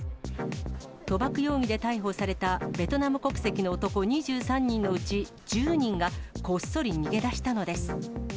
賭博容疑で逮捕されたベトナム国籍の男２３人のうち、１０人がこっそり逃げ出したのです。